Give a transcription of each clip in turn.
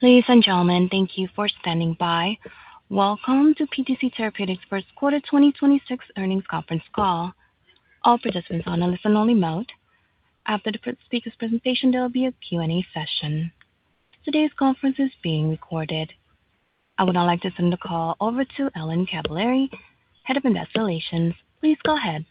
Ladies and gentlemen, thank you for standing by. Welcome to PTC Therapeutics' First Quarter 2026 Earnings Conference Call. All participants are in listen-only mode. After the speaker's presentation, there will be a Q&A session. Today's conference is being recorded. I would now like to send the call over to Ellen Cavaleri, Head of Investor Relations. Please go ahead.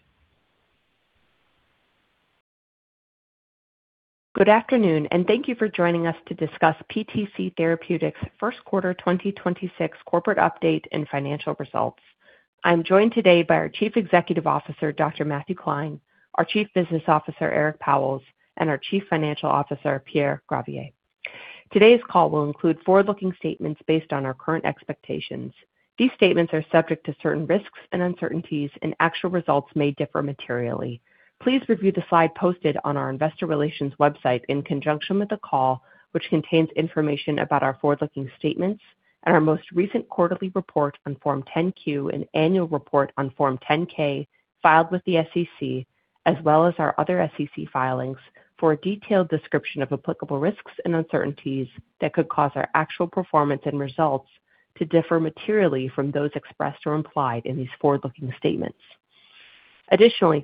Good afternoon, and thank you for joining us to discuss PTC Therapeutics' first quarter 2026 corporate update and financial results. I'm joined today by our Chief Executive Officer, Dr. Matthew Klein, our Chief Business Officer, Eric Pauwels, and our Chief Financial Officer, Pierre Gravier. Today's call will include forward-looking statements based on our current expectations. These statements are subject to certain risks and uncertainties, and actual results may differ materially. Please review the slide posted on our investor relations website in conjunction with the call, which contains information about our forward-looking statements and our most recent quarterly report on Form 10-Q and annual report on Form 10-K filed with the SEC, as well as our other SEC filings for a detailed description of applicable risks and uncertainties that could cause our actual performance and results to differ materially from those expressed or implied in these forward-looking statements.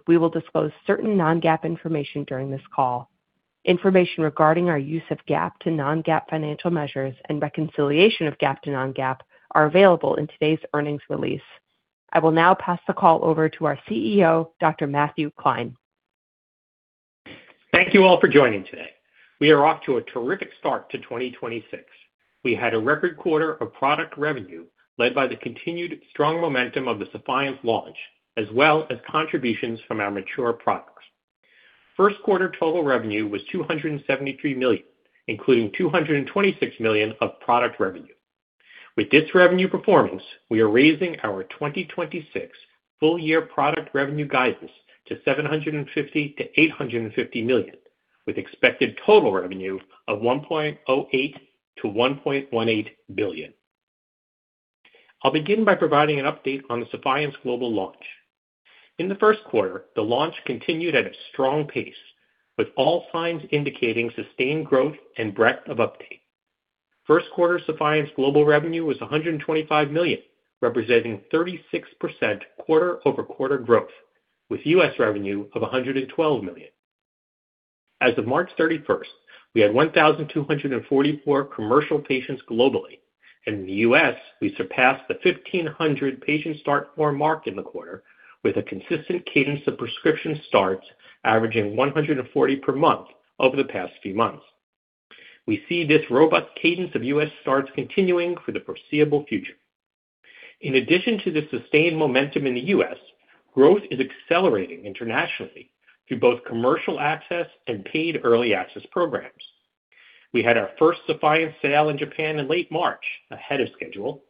We will disclose certain non-GAAP information during this call. Information regarding our use of GAAP to non-GAAP financial measures and reconciliation of GAAP to non-GAAP is available in today's earnings release. I will now pass the call over to our CEO, Dr. Matthew Klein. Thank you all for joining today. We are off to a terrific start to 2026. We had a record quarter of product revenue led by the continued strong momentum of the Sephience launch, as well as contributions from our mature products. First quarter total revenue was $273 million, including $226 million of product revenue. With this revenue performance, we are raising our 2026 full-year product revenue guidance to $750 million-$850 million, with expected total revenue of $1.08 billion-$1.18 billion. I'll begin by providing an update on the Sephience global launch. In the first quarter, the launch continued at a strong pace, with all signs indicating sustained growth and breadth of uptake. First quarter Sephience global revenue was $125 million, representing 36% quarter-over-quarter growth, with U.S. revenue of $112 million. As of March 31st, we had 1,244 commercial patients globally. In the U.S., we surpassed the 1,500 patient start form mark in the quarter with a consistent cadence of prescription starts averaging 140 per month over the past few months. We see this robust cadence of U.S. starts continuing for the foreseeable future. In addition to the sustained momentum in the U.S., growth is accelerating internationally through both commercial access and paid early access programs. We had our first Sephience sale in Japan in late March, ahead of schedule,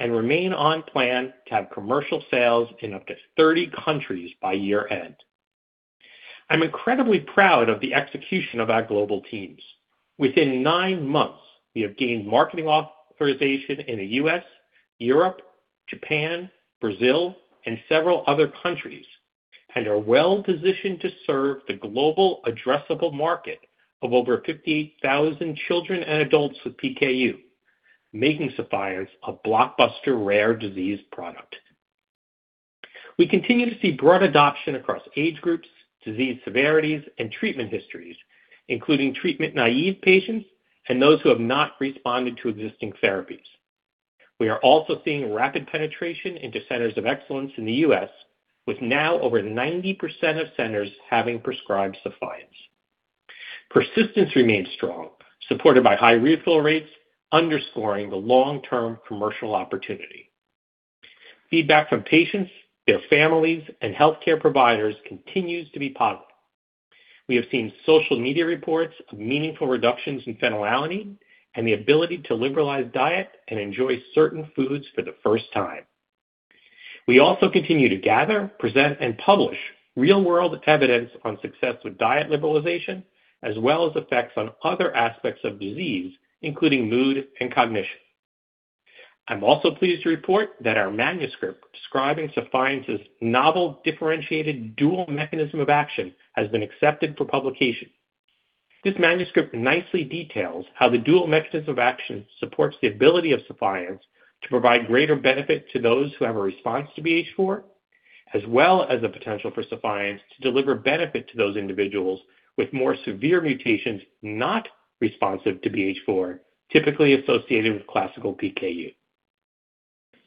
and remain on plan to have commercial sales in up to 30 countries by year-end. I'm incredibly proud of the execution of our global teams. Within nine months, we have gained marketing authorization in the U.S., Europe, Japan, Brazil, and several other countries and are well-positioned to serve the global addressable market of over 58,000 children and adults with PKU, making Sephience a blockbuster rare disease product. We continue to see broad adoption across age groups, disease severities, and treatment histories, including treatment-naive patients and those who have not responded to existing therapies. We are also seeing rapid penetration into centers of excellence in the U.S., with now over 90% of centers having prescribed Sephience. Persistence remains strong, supported by high refill rates, underscoring the long-term commercial opportunity. Feedback from patients, their families, and healthcare providers continues to be positive. We have seen social media reports of meaningful reductions in phenylalanine and the ability to liberalize diet and enjoy certain foods for the first time. We also continue to gather, present, and publish real-world evidence on success with diet liberalization, as well as effects on other aspects of disease, including mood and cognition. I'm also pleased to report that our manuscript describing Sephience's novel differentiated dual mechanism of action has been accepted for publication. This manuscript nicely details how the dual mechanism of action supports the ability of Sephience to provide greater benefit to those who have a response to BH4, as well as the potential for Sephience to deliver benefit to those individuals with more severe mutations, not responsive to BH4, typically associated with classical PKU.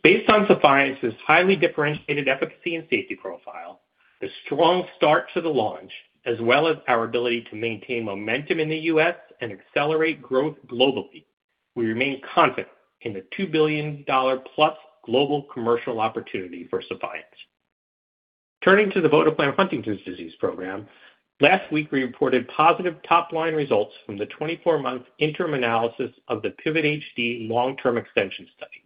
Based on Sephience's highly differentiated efficacy and safety profile, the strong start to the launch, as well as our ability to maintain momentum in the U.S. and accelerate growth globally, we remain confident in the +$2 billion global commercial opportunity for Sephience. Turning to the votoplam Huntington's disease program. Last week, we reported positive top-line results from the 24-month interim analysis of the PIVOT-HD long-term extension study.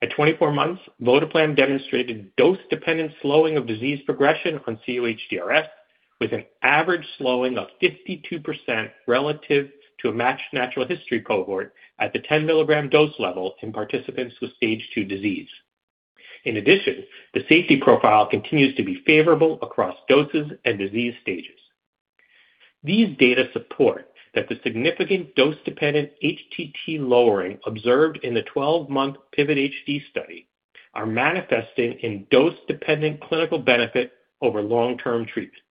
At 24 months, votoplam demonstrated dose-dependent slowing of disease progression on COHDRS with an average slowing of 52% relative to a matched natural history cohort at the 10-milligram dose level in participants with Stage 2 disease. In addition, the safety profile continues to be favorable across doses and disease stages. These data support that the significant dose-dependent HTT lowering observed in the 12-month PIVOT-HD study is manifesting in dose-dependent clinical benefit over long-term treatment.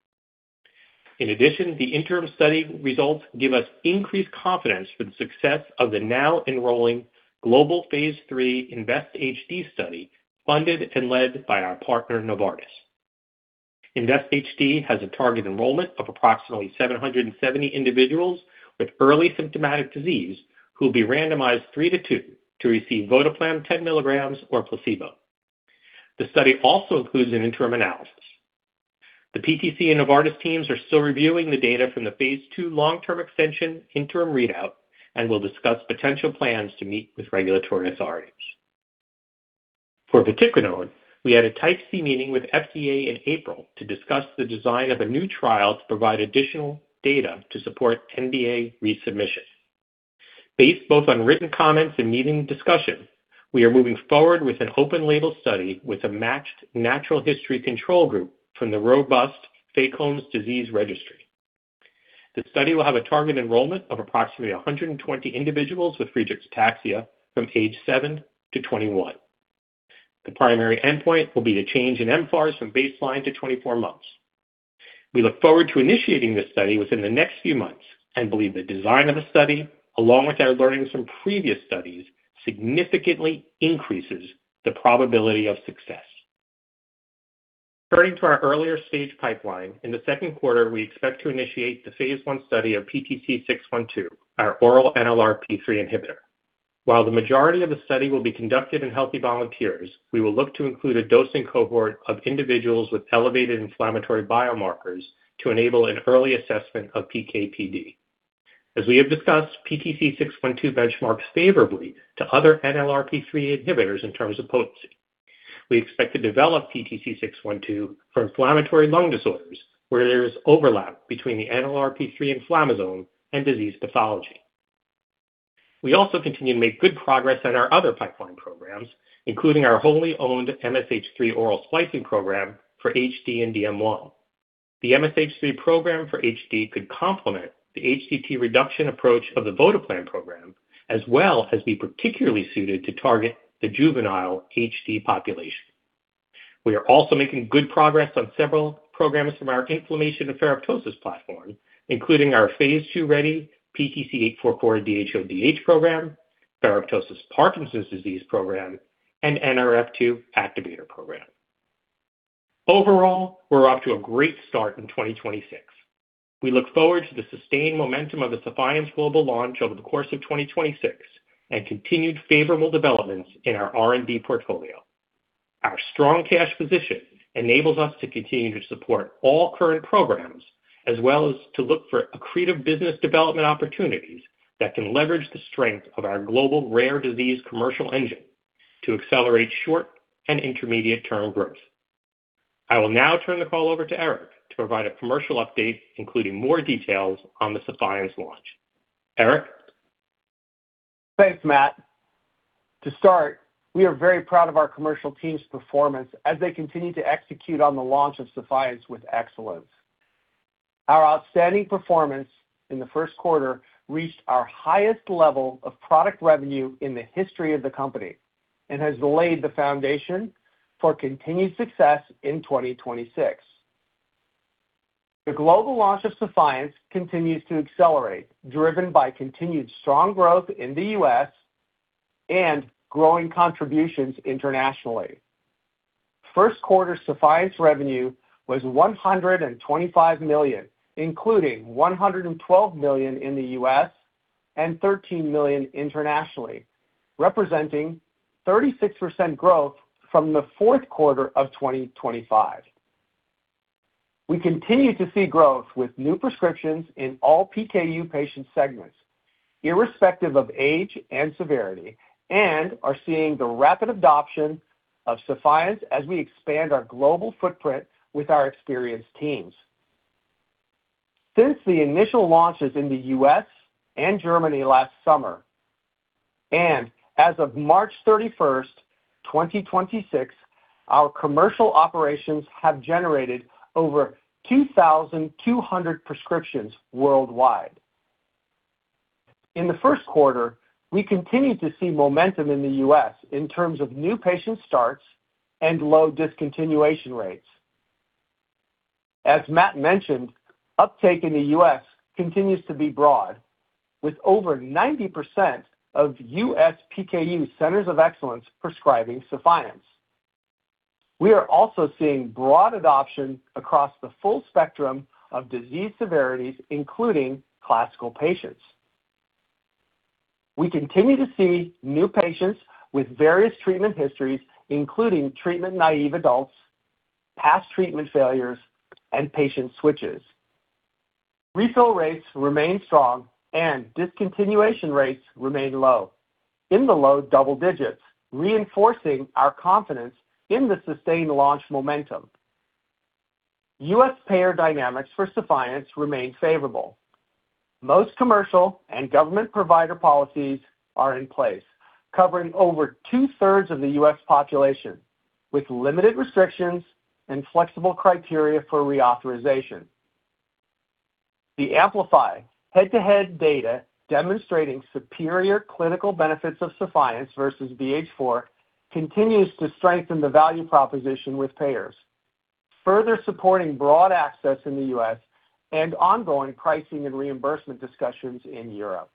The interim study results give us increased confidence in the success of the now-enrolling global phase III INVEST-HD study, funded and led by our partner, Novartis. INVEST-HD has a target enrollment of approximately 770 individuals with early symptomatic disease who will be randomized three to two to receive votoplam 10 milligrams or placebo. The study also includes an interim analysis. The PTC and Novartis teams are still reviewing the data from the phase II long-term extension interim readout and will discuss potential plans to meet with regulatory authorities. For vatiquinone, we had a Type C meeting with the FDA in April to discuss the design of a new trial to provide additional data to support NDA resubmission. Based both on written comments and meeting discussions, we are moving forward with an open-label study with a matched natural history control group from the robust FACOMS Disease Registry. The study will have a target enrollment of approximately 120 individuals with Friedreich's ataxia from age seven to 21. The primary endpoint will be the change in mFARS from baseline to 24 months. We look forward to initiating this study within the next few months and believe the design of the study, along with our learnings from previous studies, significantly increases the probability of success. Turning to our earlier-stage pipeline, in the second quarter, we expect to initiate the phase I study of PTC612, our oral NLRP3 inhibitor. While the majority of the study will be conducted in healthy volunteers, we will look to include a dosing cohort of individuals with elevated inflammatory biomarkers to enable an early assessment of PK/PD. As we have discussed, PTC612 benchmarks favorably to other NLRP3 inhibitors in terms of potency. We expect to develop PTC612 for inflammatory lung disorders where there is overlap between the NLRP3 inflammasome and disease pathology. We also continue to make good progress on our other pipeline programs, including our wholly owned MSH3 oral splicing program for HD and DM1. The MSH3 program for HD could complement the HTT reduction approach of the votoplam program, as well as be particularly suited to target the juvenile HD population. We are also making good progress on several programs from our inflammation and ferroptosis platform, including our phase II-ready PTC8444 DHODH program, ferroptosis Parkinson's disease program, and Nrf2 activator program. Overall, we're off to a great start in 2026. We look forward to the sustained momentum of the Sephience global launch over the course of 2026 and continued favorable developments in our R&D portfolio. Our strong cash position enables us to continue to support all current programs as well as to look for accretive business development opportunities that can leverage the strength of our global rare disease commercial engine to accelerate short- and intermediate-term growth. I will now turn the call over to Eric to provide a commercial update, including more details on the Sephience launch. Eric? Thanks, Matt. To start, we are very proud of our commercial team's performance as they continue to execute on the launch of Sephience with excellence. Our outstanding performance in the first quarter reached our highest level of product revenue in the history of the company and has laid the foundation for continued success in 2026. The global launch of Sephience continues to accelerate, driven by continued strong growth in the U.S. and growing contributions internationally. First-quarter Sephience revenue was $125 million, including $112 million in the U.S. and $13 million internationally, representing 36% growth from the fourth quarter of 2025. We continue to see growth with new prescriptions in all PKU patient segments, irrespective of age and severity, and are seeing the rapid adoption of Sephience as we expand our global footprint with our experienced teams. Since the initial launches in the U.S. and Germany last summer, as of March 31st, 2026, our commercial operations have generated over 2,200 prescriptions worldwide. In the first quarter, we continued to see momentum in the U.S. in terms of new patient starts and low discontinuation rates. As Matt mentioned, uptake in the U.S. continues to be broad, with over 90% of U.S. PKU centers of excellence prescribing Sephience. We are also seeing broad adoption across the full spectrum of disease severities, including classical patients. We continue to see new patients with various treatment histories, including treatment-naive adults, past treatment failures, and patient switches. Refill rates remain strong, and discontinuation rates remain low, in the low double-digits, reinforcing our confidence in the sustained launch momentum. U.S. payer dynamics for Sephience remain favorable. Most commercial and government provider policies are in place, covering over two-thirds of the U.S. population, with limited restrictions and flexible criteria for reauthorization. The AMPLIPHY head-to-head data demonstrating superior clinical benefits of Sephience versus BH4 continues to strengthen the value proposition with payers, further supporting broad access in the U.S. and ongoing pricing and reimbursement discussions in Europe.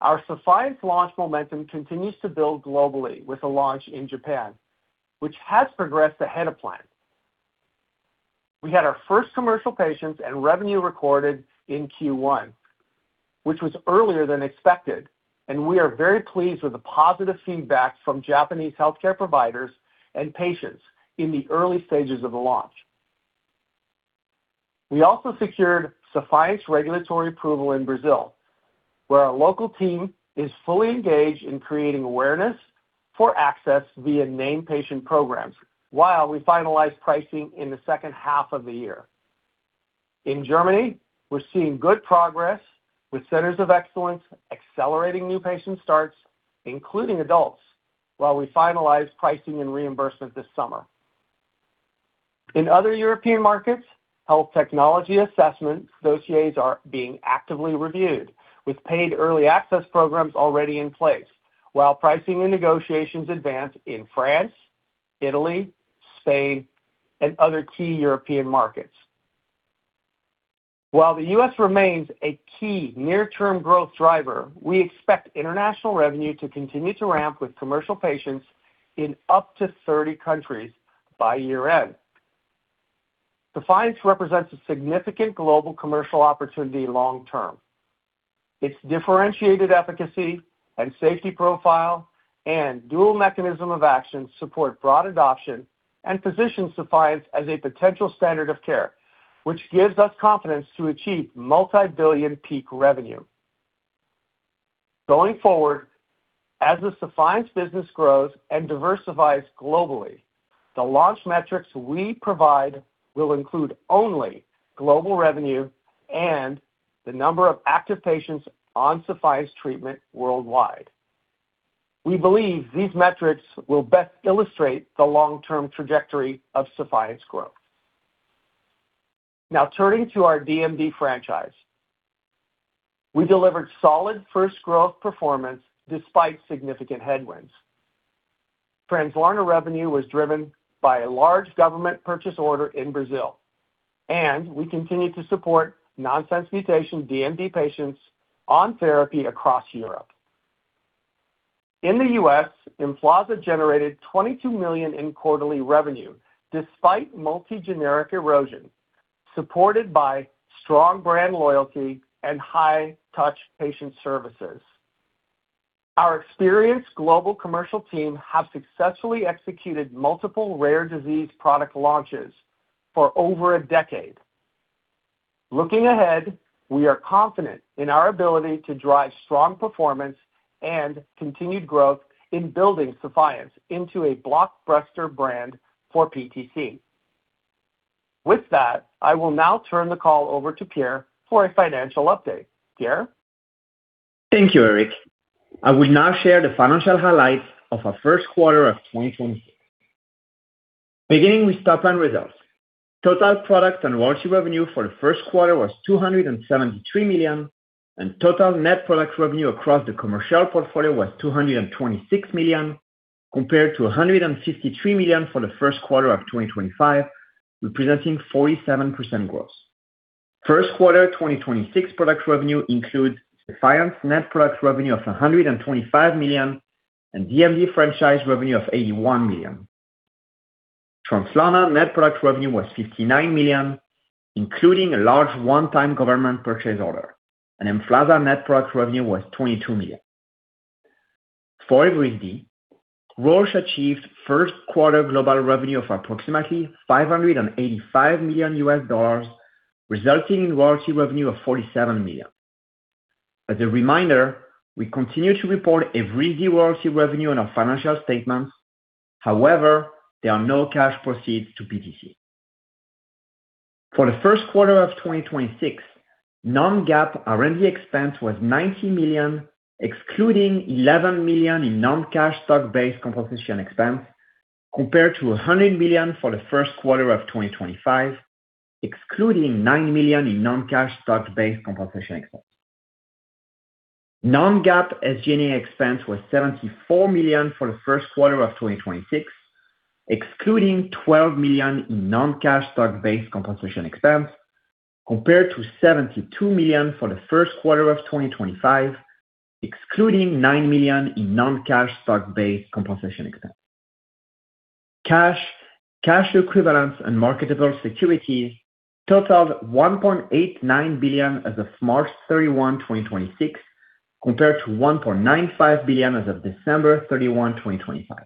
Our Sephience launch momentum continues to build globally with a launch in Japan, which has progressed ahead of plan. We had our first commercial patients and revenue recorded in Q1, which was earlier than expected, and we are very pleased with the positive feedback from Japanese healthcare providers and patients in the early stages of the launch. We also secured Sephience's regulatory approval in Brazil, where our local team is fully engaged in creating awareness for access via named patient programs while we finalize pricing in the second half of the year. In Germany, we're seeing good progress, with centers of excellence accelerating new patient starts, including adults, while we finalize pricing and reimbursement this summer. In other European markets, health technology assessment dossiers are being actively reviewed, with paid early access programs already in place, while pricing and negotiations advance in France, Italy, Spain, and other key European markets. While the U.S. remains a key near-term growth driver, we expect international revenue to continue to ramp with commercial patients in up to 30 countries by year-end. Sephience represents a significant global commercial opportunity long-term. Its differentiated efficacy and safety profile and dual mechanism of action support broad adoption and position Sephience as a potential standard of care, which gives us confidence to achieve multi-billion peak revenue. Going forward, as Sephience's business grows and diversifies globally, the launch metrics we provide will include only global revenue and the number of active patients on Sephience treatment worldwide. We believe these metrics will best illustrate the long-term trajectory of Sephience's growth. Now turning to our DMD franchise. We delivered solid first-growth performance despite significant headwinds. Translarna revenue was driven by a large government purchase order in Brazil. We continue to support nonsense mutation DMD patients on therapy across Europe. In the U.S., EMFLAZA generated $22 million in quarterly revenue despite multi-generic erosion, supported by strong brand loyalty and high-touch patient services. Our experienced global commercial team has successfully executed multiple rare disease product launches for over a decade. Looking ahead, we are confident in our ability to drive strong performance and continued growth in building Sephience into a blockbuster brand for PTC. With that, I will now turn the call over to Pierre for a financial update. Pierre? Thank you, Eric. I will now share the financial highlights of our first quarter of 2026. Beginning with top-line results. Total product and royalty revenue for the first quarter was $273 million, and total net product revenue across the commercial portfolio was $226 million, compared to $153 million for the first quarter of 2025, representing 47% growth. First quarter 2026 product revenue includes the Sephience net product revenue of $125 million and DMD franchise revenue of $81 million. From Translarna, net product revenue was $59 million, including a large one-time government purchase order, EMFLAZA net product revenue was $22 million. For Evrysdi, Roche achieved first quarter global revenue of approximately $585 million, resulting in royalty revenue of $47 million. As a reminder, we continue to report Evrysdi royalty revenue on our financial statements. However, there are no cash proceeds to PTC. For the first quarter of 2026, non-GAAP R&D expense was $90 million, excluding $11 million in non-cash stock-based compensation expense, compared to $100 million for the first quarter of 2025, excluding $9 million in non-cash stock-based compensation expense. Non-GAAP SG&A expense was $74 million for the first quarter of 2026, excluding $12 million in non-cash stock-based compensation expense, compared to $72 million for the first quarter of 2025, excluding $9 million in non-cash stock-based compensation expense. Cash, cash equivalents, and marketable securities totaled $1.89 billion as of March 31, 2026, compared to $1.95 billion as of December 31, 2025.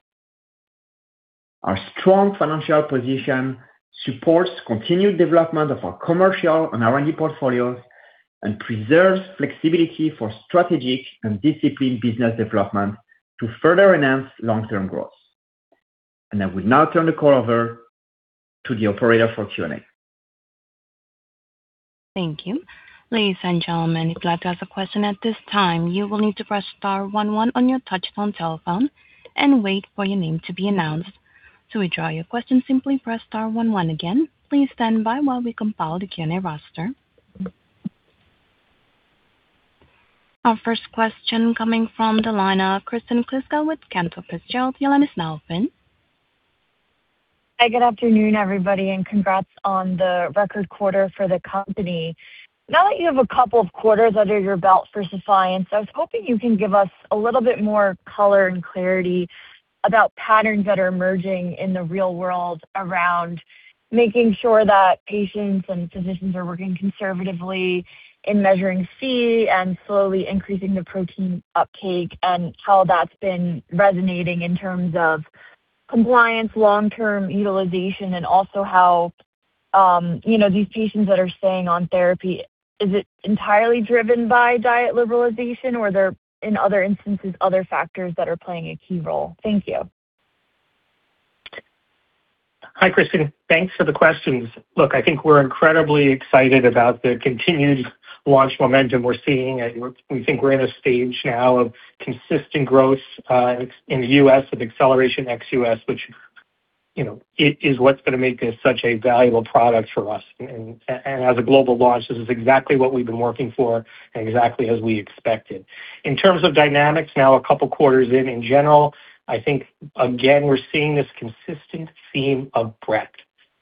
Our strong financial position supports continued development of our commercial and R&D portfolios and preserves flexibility for strategic and disciplined business development to further enhance long-term growth. I will now turn the call over to the operator for Q&A. Thank you. Ladies and gentlemen, if you have a question at this time, you will need to press star one one on your touch-tone telephone and wait for your name to be announced. To withdraw your question, simply press star one one again. Please stand by while we compile the Q&A roster. Our first question is coming from the line of Kristen Kluska with Cantor Fitzgerald. Your line is now open. Hi. Good afternoon, everybody, and congrats on the record quarter for the company. Now that you have a couple of quarters under your belt for Sephience, I was hoping you could give us a little bit more color and clarity about patterns that are emerging in the real world around making sure that patients and physicians are working conservatively in measuring Phe and slowly increasing the protein uptake and how that's been resonating in terms of compliance and long-term utilization and also, you know, these patients that are staying on therapy, is it entirely driven by diet liberalization or are there, in other instances, other factors that are playing a key role? Thank you. Hi, Kristen. Thanks for the questions. I think we're incredibly excited about the continued launch momentum we're seeing, we think we're in a stage now of consistent growth in the U.S., with acceleration ex-U.S., which, you know, is what's going to make this such a valuable product for us. As a global launch, this is exactly what we've been working for and exactly as we expected. In terms of dynamics, now a couple of quarters in general, I think again we're seeing this consistent theme of breadth.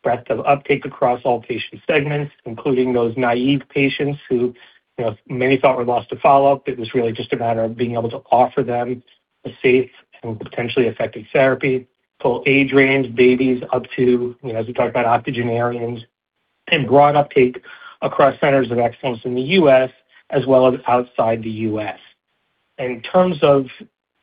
Breadth of uptake across all patient segments, including those naive patients who, you know, many thought were lost to follow-up. It was really just a matter of being able to offer them a safe and potentially effective therapy. Full age range, babies up to, you know, as we talk about octogenarians, and broad uptake across centers of excellence in the U.S. as well as outside the U.S. In terms of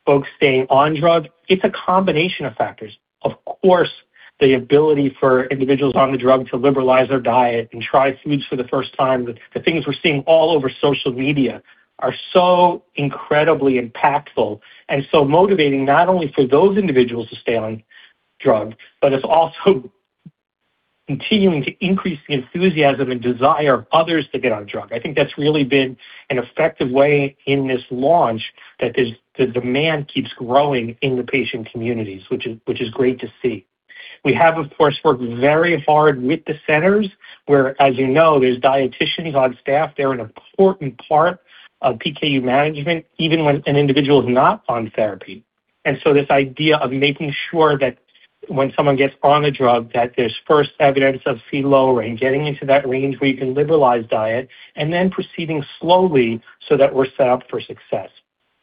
folks staying on drugs, it's a combination of factors. Of course, the ability for individuals on the drug to liberalize their diet and try foods for the first time. The things we're seeing all over social media are so incredibly impactful and so motivating, not only for those individuals to stay on drugs, but they're also continuing to increase the enthusiasm and desire of others to get on drugs. I think that's really been an effective way in this launch, so the demand keeps growing in the patient communities, which is great to see. We have, of course, worked very hard with the centers where, as you know, there are dietitians on staff. They're an important part of PKU management, even when an individual is not on therapy. This idea of making sure that when someone gets on a drug, there's first evidence of Phe lowering, getting into that range where you can liberalize diet, and then proceeding slowly so that we're set up for success.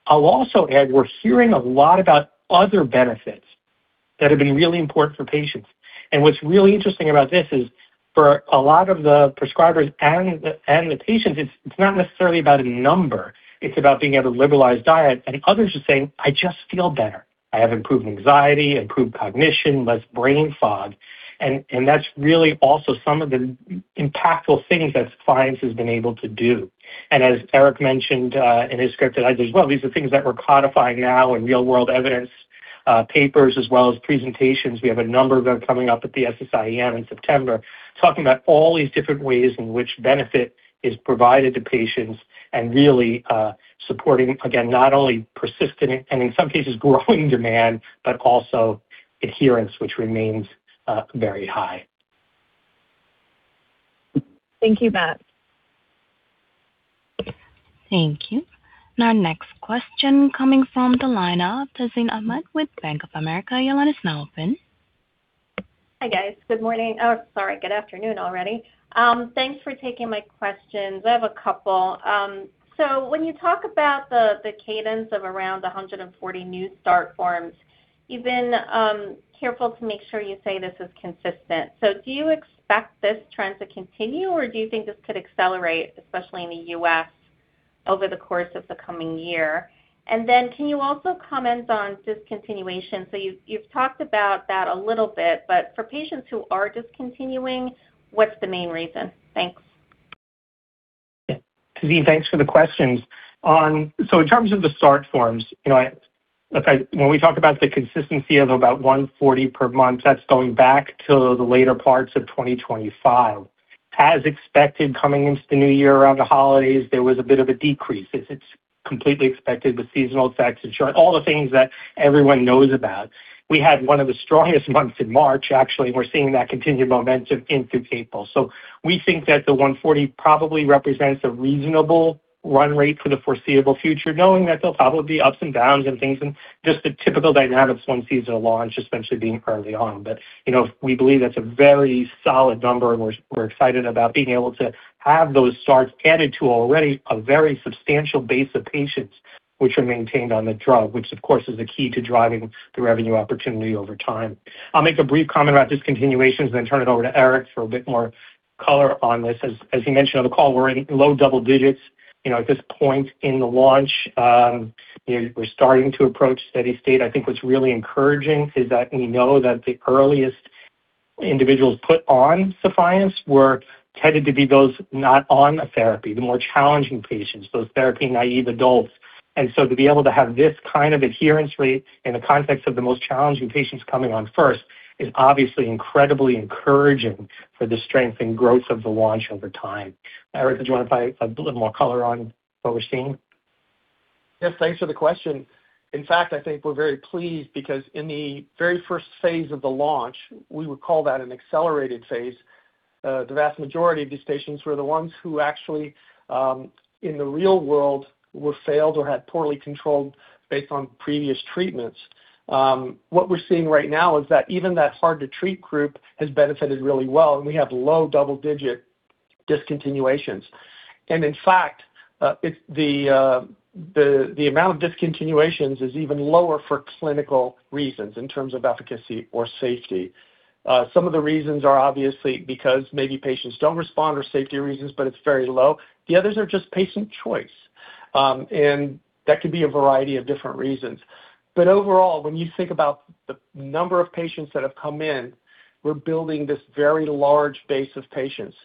I'll also add, we're hearing a lot about other benefits that have been really important for patients. What's really interesting about this is for a lot of the prescribers and the patients, it's not necessarily about a number, it's about being able to liberalize diet. Others are saying, I just feel better. I have improved anxiety, improved cognition, and less brain fog. That's really also some of the impactful things that science has been able to do. As Eric mentioned, in his script as well, these are things that we're codifying now in real-world evidence, papers as well as presentations. We have a number of them coming up at the SSIEM in September, talking about all these different ways in which benefit is provided to patients and really supporting, again, not only persistent and, in some cases, growing demand but also adherence, which remains very high. Thank you, Matt. Thank you. Our next question is coming from the line of Tazeen Ahmad with Bank of America. Your line is now open. Hi, guys. Good morning. Oh, sorry, good afternoon already. Thanks for taking my questions. I have a couple. When you talk about the cadence of around 140 new start forms, you've been careful to make sure you say this is consistent. Do you expect this trend to continue, or do you think this could accelerate, especially in the U.S., over the course of the coming year? Can you also comment on discontinuation? You've talked about that a little bit, but for patients who are discontinuing, what's the main reason? Thanks. Tazeen, thanks for the questions. In terms of the start forms, you know, when we talk about the consistency of about 140 per month, that's going back to the later parts of 2025. As expected, coming into the new year around the holidays, there was a bit of a decrease. It's completely expected with seasonal effects and, sure, all the things that everyone knows about. We had one of the strongest months in March, actually, and we're seeing that continued momentum into April. We think that the 140 probably represents a reasonable run rate for the foreseeable future, knowing that there'll probably be ups and downs and things and just the typical dynamics one sees at launch, especially being early on. You know, we believe that's a very solid number, and we're excited about being able to have those starts added to an already very substantial base of patients who are maintained on the drug, which, of course, is the key to driving the revenue opportunity over time. I'll make a brief comment about discontinuations and then turn it over to Eric Pauwels for a bit more color on this. As he mentioned on the call, we're in low double-digits, you know, at this point in the launch. You know, we're starting to approach steady state. I think what's really encouraging is that we know that the earliest individuals put on Sephience were tended to be those not on a therapy, the more challenging patients, those therapy naive adults. To be able to have this kind of adherence rate in the context of the most challenging patients coming on first is obviously incredibly encouraging for the strength and growth of the launch over time. Eric, did you want to provide a little more color on what we're seeing? Yes, thanks for the question. In fact, I think we're very pleased because in the very first phase of the launch, which we would call an accelerated phase, the vast majority of these patients were the ones who actually, in the real world, failed or had poorly controlled based on previous treatments. What we're seeing right now is that even that hard-to-treat group has benefited really well, and we have low double-digit discontinuations. In fact, the amount of discontinuations is even lower for clinical reasons in terms of efficacy or safety. Some of the reasons are obviously because maybe patients don't respond for safety reasons, but it's very low. The others are just patient's choice. That could be a variety of different reasons. Overall, when you think about the number of patients that have come in, we're building this very large base of patients.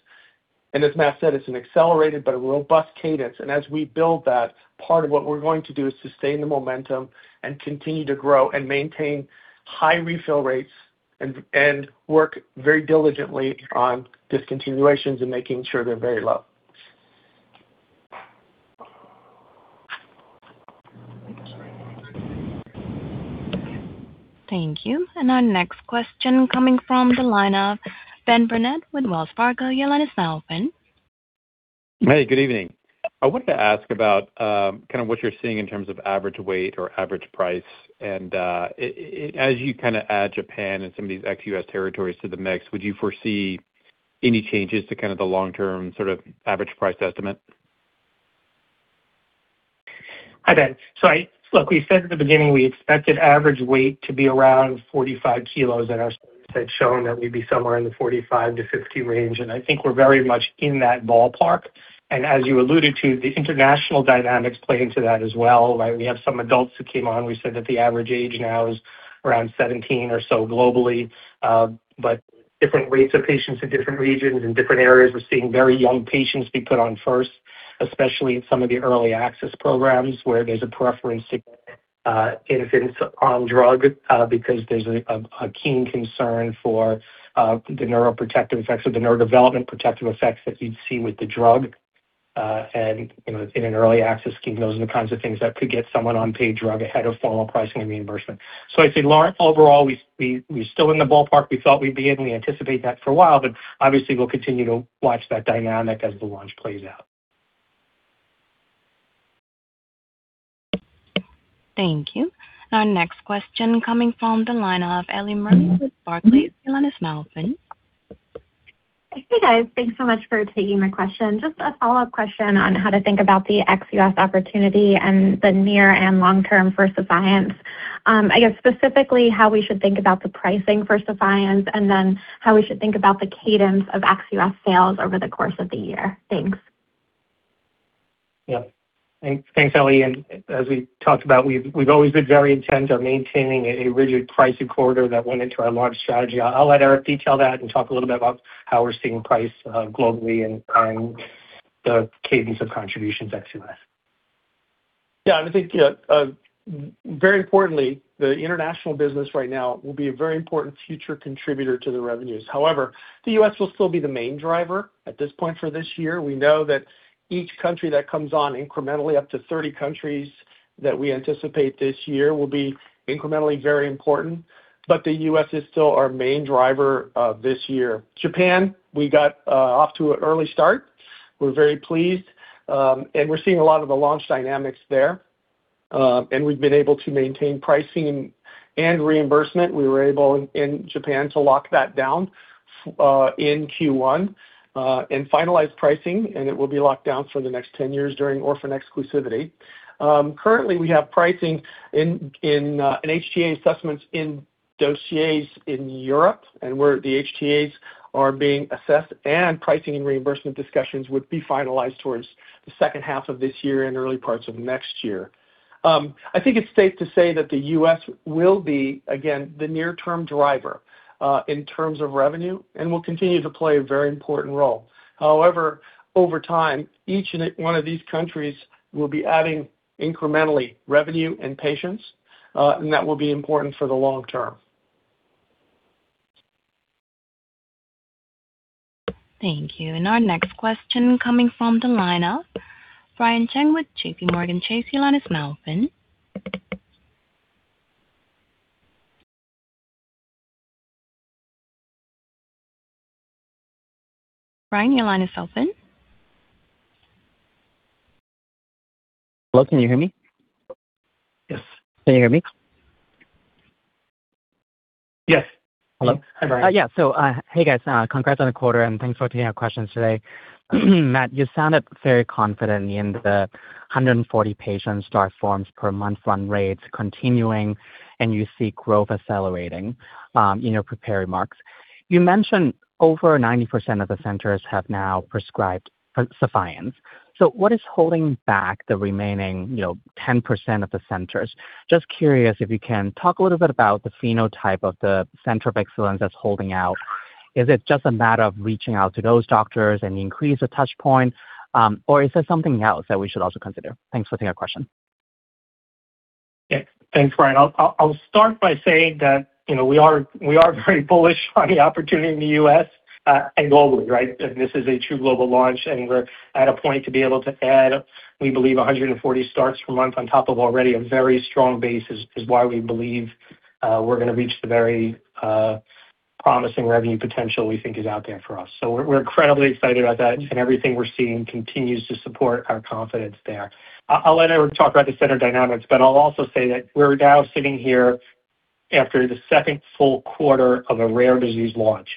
As Matt said, it's an accelerated but robust cadence. As we build that, part of what we're going to do is sustain the momentum and continue to grow and maintain high refill rates and work very diligently on discontinuations and making sure they're very low. Thank you. Our next question is coming from the line of Ben Burnett with Wells Fargo. Your line is now open. Hey, good evening. I wanted to ask about kind of what you're seeing in terms of average weight or average price. As you kind of add Japan and some of these ex-US territories to the mix, would you foresee any changes to kind of the long-term sort of average price estimate? Hi, Ben. Look, we said at the beginning we expected average weight to be around 45 kilos, and our studies had shown that we'd be somewhere in the 45 kg-50 kg range, and I think we're very much in that ballpark. As you alluded to, the international dynamics play into that as well, right? We have some adults who came on. We said that the average age now is around 17 or so globally, but there are different rates of patients in different regions. In different areas, we're seeing very young patients be put on first, especially in some of the early access programs where there's a preference to get infants on the drug, because there's a keen concern for the neuroprotective effects or the neurodevelopment protective effects that you'd see with the drug. You know, in an early access scheme, those are the kinds of things that could get someone on paid drugs ahead of formal pricing and reimbursement. I'd say, overall, we're still in the ballpark we thought we'd be in. We anticipate that for a while, but obviously we'll continue to watch that dynamic as the launch plays out. Thank you. Our next question is coming from the line of Ellie Merle with Barclays. Your line is now open. Hey, guys. Thanks so much for taking my question. Just a follow-up question on how to think about the ex-U.S. opportunity and the near and long term for Sephience. I guess specifically how we should think about the pricing for Sephience and then how we should think about the cadence of ex-U.S. sales over the course of the year. Thanks. Yeah. Thanks. Thanks, Ellie. As we talked about, we've always been very intent on maintaining a rigid pricing corridor that went into our launch strategy. I'll let Eric detail that and talk a little bit about how we're seeing price globally and the cadence of contributions ex-US. I think, very importantly, international business right now will be a very important future contributor to the revenues. However, the U.S. will still be the main driver at this point for this year. We know that each country that comes on incrementally, up to 30 countries that we anticipate this year, will be incrementally very important. The U.S. is still our main driver this year. Japan, we got off to an early start. We're very pleased, and we're seeing a lot of the launch dynamics there. We've been able to maintain pricing and reimbursement. We were able in Japan to lock that down in Q1 and finalize pricing, and it will be locked down for the next 10 years during orphan exclusivity. Currently we have pricing in HTA assessments in dossiers in Europe, where the HTAs are being assessed and pricing and reimbursement discussions would be finalized towards the second half of this year and early parts of next year. I think it's safe to say that the U.S. will be, again, the near-term driver in terms of revenue and will continue to play a very important role. Over time, each and every one of these countries will be adding incrementally revenue and patients, and that will be important for the long-term. Thank you. Our next question is coming from the line of Brian Cheng with JPMorgan Chase. Your line is now open. Brian, your line is open. Hello, can you hear me? Yes. Can you hear me? Yes. Hello. Hi, Brian. Hey, guys. Congrats on the quarter, and thanks for taking our questions today. Matt, you sounded very confident in the 140 patients' start forms per month run rates continuing, and you see growth accelerating in your prepared remarks. You mentioned over 90% of the centers have now prescribed Sephience. What is holding back the remaining, you know, 10% of the centers? Just curious if you can talk a little bit about the phenotype of the center of excellence that's holding out. Is it just a matter of reaching out to those doctors and increasing the touchpoint, or is there something else that we should also consider? Thanks for taking our question. Yeah. Thanks, Brian. I'll start by saying that, you know, we are very bullish on the opportunity in the U.S. and globally. This is a true global launch, we're at a point to be able to add, we believe, 140 starts per month on top of an already very strong base. That is why we believe we're going to reach the very promising revenue potential we think is out there for us. We're incredibly excited about that, everything we're seeing continues to support our confidence there. I'll let Eric talk about the center dynamics, I'll also say that we're now sitting here after the second full quarter of a rare disease launch.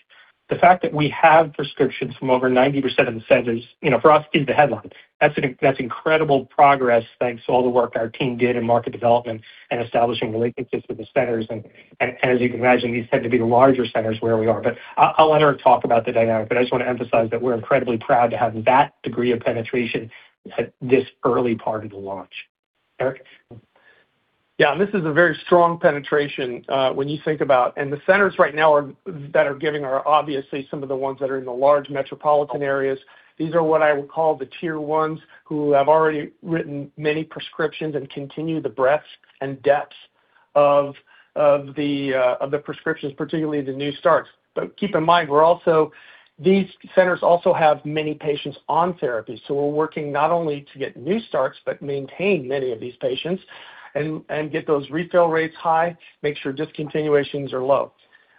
The fact that we have prescriptions from over 90% of the centers, you know, for us, is the headline. That's incredible progress thanks to all the work our team did in market development and establishing relationships with the centers. As you can imagine, these tend to be the larger centers where we are. I'll let Eric talk about the dynamic, but I just want to emphasize that we're incredibly proud to have that degree of penetration at this early part of the launch. Eric? Yeah. This is a very strong penetration, when you think about the centers right now that are giving, they are obviously some of the ones that are in the large metropolitan areas. These are what I would call the tier 1s who have already written many prescriptions and continue the breadth and depth of the prescriptions, particularly the new starts. Keep in mind, these centers also have many patients on therapy. We're working not only to get new starts but also to maintain many of these patients and get those refill rates high and make sure discontinuations are low.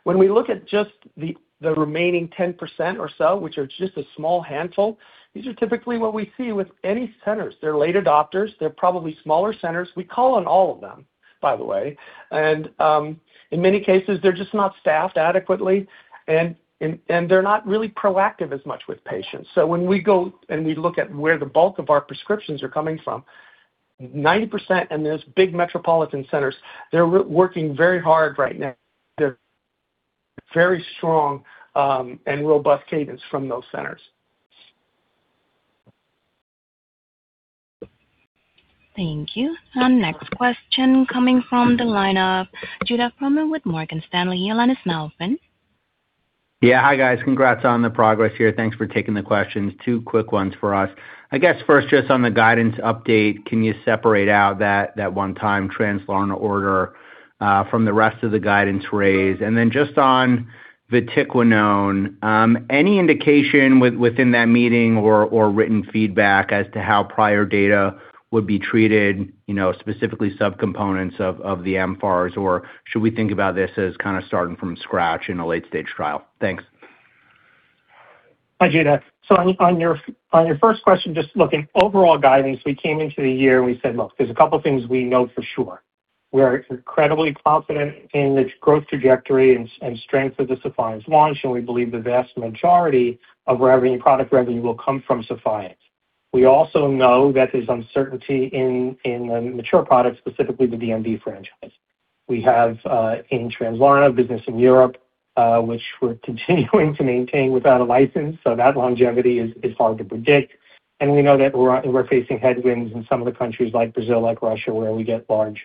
When we look at just the remaining 10% or so, which are just a small handful, these are typically what we see with any centers. They're late adopters. They're probably smaller centers. We call on all of them, by the way. In many cases, they're just not staffed adequately, and they're not really proactive as much with patients. When we go and we look at where the bulk of our prescriptions are coming from, 90% in those big metropolitan centers, they're working very hard right now. They're very strong and robust cadences from those centers. Thank you. Our next question is coming from the line of Judah Frommer with Morgan Stanley. Your line is now open. Hi, guys. Congrats on the progress here. Thanks for taking the questions. Two quick ones for us. I guess first just on the guidance update, can you separate out that one-time Translarna order from the rest of the guidance raise? Then just on vatiquinone, any indication within that meeting or written feedback as to how prior data would be treated, you know, specifically subcomponents of the mFARS? Or should we think about this as kind of starting from scratch in a late-stage trial? Thanks. Hi, Judah. On your first question, just look, in overall guidance, we came into the year, and we said, Look, there are a couple things we know for sure. We're incredibly confident in its growth trajectory and strength of the Sephience launch, and we believe the vast majority of revenue and product revenue will come from Sephience. We also know that there's uncertainty in the mature products, specifically the DMD franchise. We have a Translarna business in Europe, which we're continuing to maintain without a license, so that longevity is hard to predict. We know that we're facing headwinds in some of the countries like Brazil and like Russia, where we get large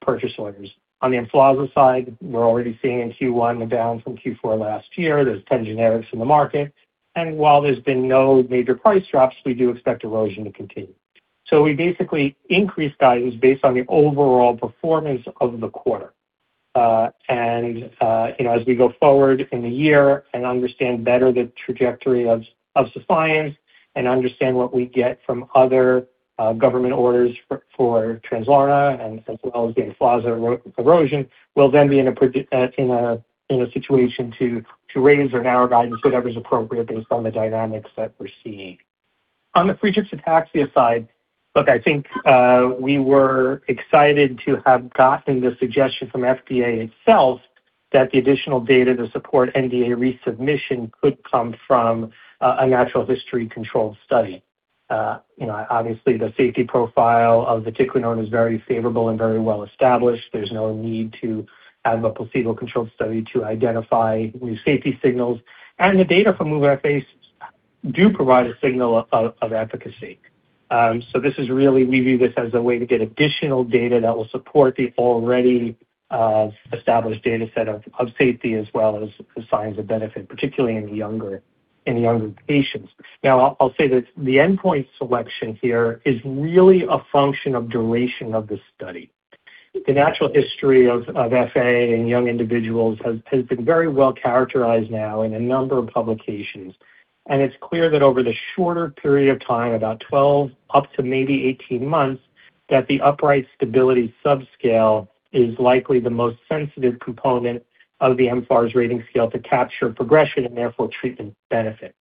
purchase orders. On the EMFLAZA side, we're already seeing in Q1 a down from Q4 last year. There are 10 generics in the market. While there's been no major price drops, we do expect erosion to continue. We basically increased guidance based on the overall performance of the quarter. You know, as we go forward in the year and understand better the trajectory of Sephience and understand what we get from other government orders for Translarna as well as the EMFLAZA erosion, we'll then be in a situation to raise or narrow guidance, whatever's appropriate based on the dynamics that we're seeing. On the Friedreich's ataxia side, look, I think we were excited to have gotten the suggestion from the FDA itself that the additional data to support NDA resubmission could come from a natural history controlled study. You know, obviously, the safety profile of vatiquinone is very favorable and very well established. There's no need to have a placebo-controlled study to identify new safety signals. The data from MOVE-FA do provide a signal of efficacy. We view this as a way to get additional data that will support the already established dataset of safety as well as signs of benefit, particularly in younger patients. Now, I'll say this, the endpoint selection here is really a function of the duration of the study. The natural history of FA in young individuals has been very well characterized now in a number of publications. It's clear that over the shorter period of time, about 12 up to maybe 18 months, that the upright stability subscale is likely the most sensitive component of the mFARS rating scale to capture progression and, therefore, treatment benefit.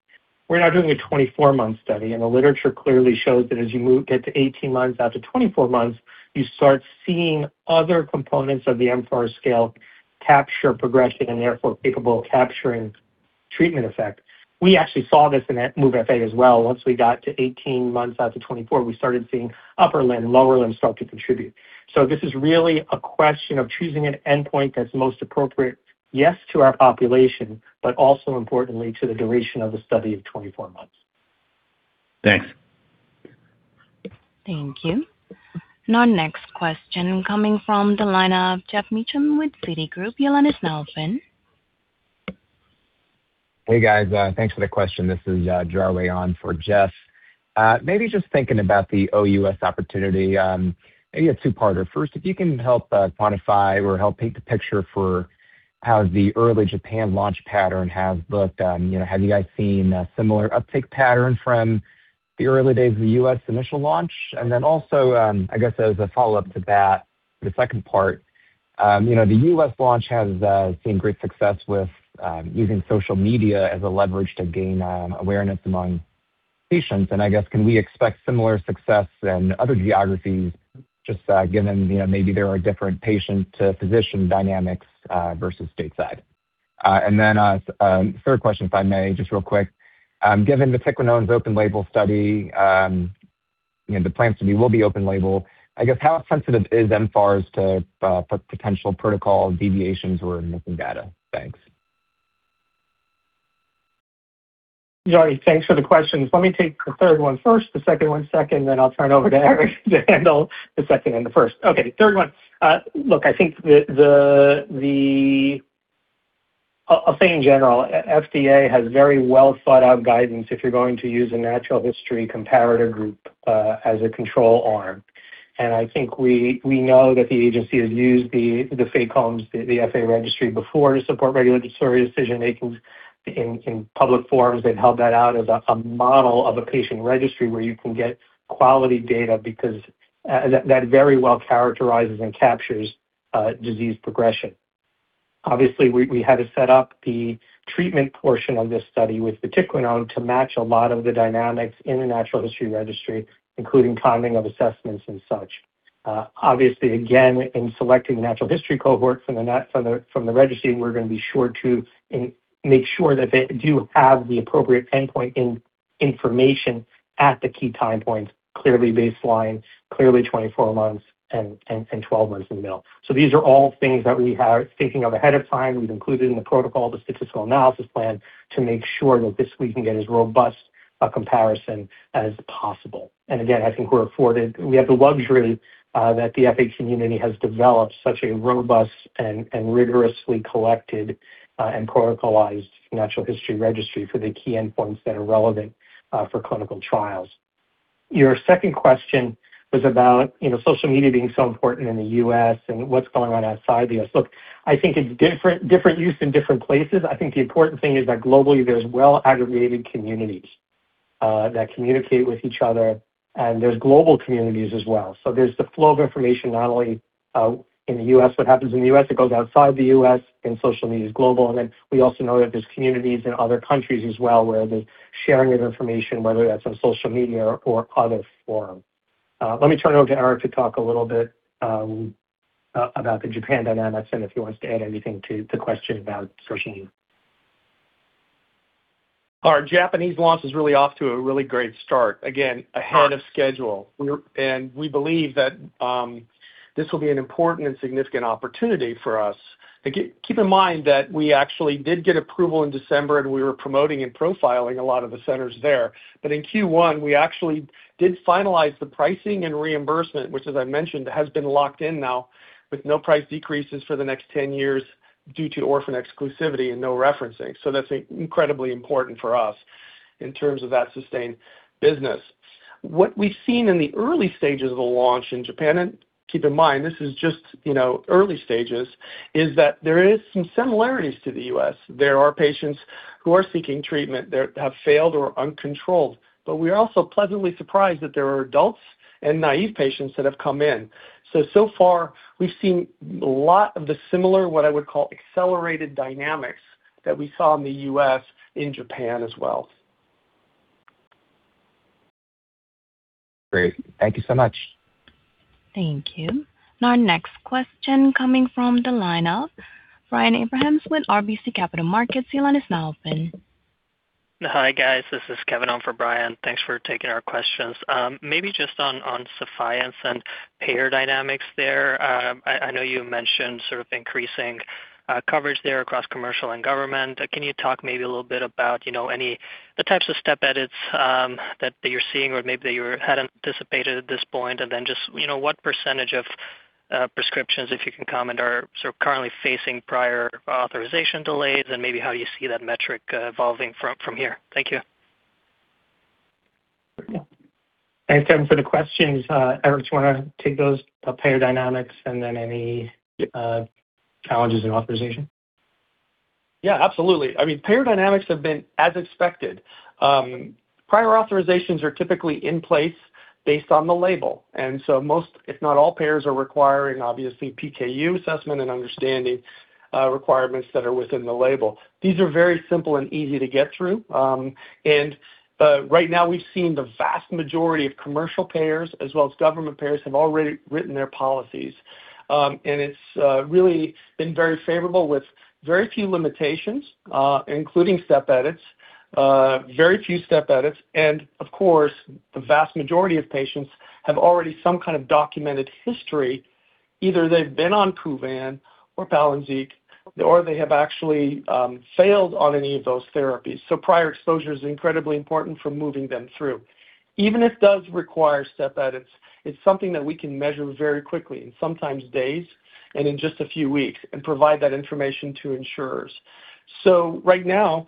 We're now doing a 24-month study. The literature clearly shows that as you move, getting to 18 months out to 24 months, you start seeing other components of the mFARS scale capture progression and are therefore capable of capturing treatment effects. We actually saw this in MOVE-FA as well. Once we got to 18 months out to 24, we started seeing upper and lower limbs start to contribute. This is really a question of choosing an endpoint that's most appropriate, yes, to our population, but also, importantly, to the duration of the study of 24 months. Thanks. Thank you. Now our next question is coming from the line of Geoff Meacham with Citigroup. Your line is now open. Hey, guys. Thanks for the question. This is Geoff Meacham on for Jeff. Maybe just thinking about the OUS opportunity, maybe a two-parter. First, can you help quantify or help paint the picture for how the early Japan launch pattern has looked? You know, have you guys seen a similar uptick pattern from the early days of the U.S. initial launch? I guess as a follow-up to that, the second part, you know, the U.S. launch, has seen great success with using social media as leverage to gain awareness among patients. I guess can we expect similar success in other geographies just given, you know, maybe there are different patient-to-physician dynamics versus stateside? Third question, if I may, just real quick. Given the picrotoxin open-label study, you know, the plans to be will be open-label, I guess. How sensitive is the mFARS to potential protocol deviations or missing data? Thanks. Geoff, thanks for the questions. Let me take the third one first and the second one second, then I'll turn over to Eric to handle the second and the first. Okay, third one. Look, I think I'll say in general, the FDA has very well-thought-out guidance if you're going to use a natural history comparator group as a control arm. I think we know that the agency has used the FACOMS, the FA registry, before to support regulatory decision-making. In public forums, they've held that out as a model of a patient registry where you can get quality data because that very well characterizes and captures disease progression. Obviously, we had to set up the treatment portion of this study with the picrotoxin to match a lot of the dynamics in the natural history registry, including timing of assessments and such. Obviously, again, in selecting the natural history cohort from the registry, we're going to be sure to make sure that they do have the appropriate endpoint in information at the key time points, clearly baseline, clearly 24 months, and 12 months in the middle. These are all things that we are thinking of ahead of time. We've included in the protocol, the statistical analysis plan, to make sure that we can get as robust a comparison as possible. Again, I think we have the luxury that the FA community has developed such a robust and rigorously collected and protocolized natural history registry for the key endpoints that are relevant for clinical trials. Your second question was about, you know, social media being so important in the U.S. and what's going on outside the U.S. Look, I think it's used differently in different places. I think the important thing is that globally, there are well-aggregated communities that communicate with each other, and there are global communities as well. There's the flow of information, not only in the U.S. What happens in the U.S. goes outside the U.S., and social media is global. Then we also know that there are communities in other countries as well, where there's sharing of information, whether that's on social media or other forums. Let me turn it over to Eric to talk a little bit about the Japan dynamics and if he wants to add anything to the question about social media. Our Japanese launch is really off to a really great start. Ahead of schedule. We believe that this will be an important and significant opportunity for us. Keep in mind that we actually did get approval in December, we were promoting and profiling a lot of the centers there. In Q1, we actually did finalize the pricing and reimbursement, which, as I mentioned, has been locked in now with no price decreases for the next 10 years due to orphan exclusivity and no referencing. That's incredibly important for us in terms of that sustained business. What we've seen in the early stages of the launch in Japan, keep in mind, these are just, you know, early stages, is that there is some similarities to the U.S. There are patients who are seeking treatment that have failed or are uncontrolled, but we are also pleasantly surprised that there are adults and naive patients that have come in. So far, we've seen a lot of the similar what I would call accelerated dynamics that we saw in the U.S. in Japan as well. Great. Thank you so much. Thank you. Our next question is coming from the line of Brian Abrahams with RBC Capital Markets. Your line is now open. Hi, guys. This is Kevin on for Brian. Thanks for taking our questions. Maybe just on Sephience and payer dynamics there. I know you mentioned sort of increasing coverage there across commercial and government. Can you talk maybe a little bit about, you know, the types of step edits that you're seeing or maybe that you hadn't anticipated at this point? Just, you know, what percentage of prescriptions, if you can comment, are sort of currently facing prior authorization delays, and maybe how do you see that metric evolving from here? Thank you. Thanks, Kevin, for the questions. Eric, do you want to take those payer dynamics and then any challenges in authorization? Yeah, absolutely. I mean, payer dynamics have been as expected. Prior authorizations are typically in place based on the label, most, if not all, payers are requiring, obviously, a PKU assessment and understanding requirements that are within the label. These are very simple and easy to get through. Right now we've seen the vast majority of commercial payers as well as government payers have already written their policies. It's really been very favorable with very few limitations, including step edits—very few step edits. Of course, the vast majority of patients already have some kind of documented history. Either they've been on Kuvan or PALYNZIQ, or they have actually failed on any of those therapies. Prior exposure is incredibly important for moving them through. Even if it does require step edits, it's something that we can measure very quickly, in sometimes days and in just a few weeks, and provide that information to insurers. Right now,